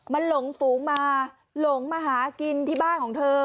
มันหลงฝูงมาหลงมาหากินที่บ้านของเธอ